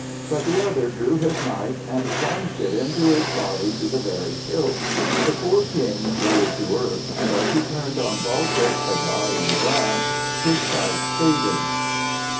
But the other drew his knife and plunged it into his body to the very hilt. The poor king rolled to earth, and as he turned on Balkis a dying glance his sight faded.